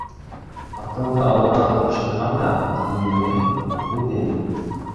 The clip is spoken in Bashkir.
Атыңды Аллаға тапшырһаң да, дилбегәһен үҙең